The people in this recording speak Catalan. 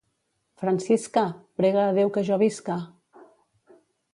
Francisca! prega a Déu que jo visca!